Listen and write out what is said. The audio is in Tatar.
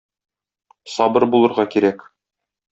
Сабыр булырга кирәк.